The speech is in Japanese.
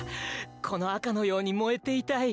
このあかのようにもえていたい。